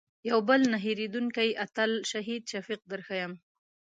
یو بل نه هېرېدونکی اتل شهید شفیق در ښیم.